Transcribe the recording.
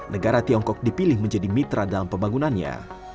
negara tiongkok dipilih menjadi mitra dalam pembangunannya